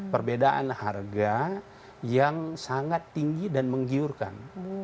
perbedaan harga yang sangat tinggi dan menggiurkan